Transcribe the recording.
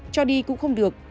cho đi cũng không được